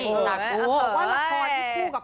เพราะว่าละครที่คู่กับ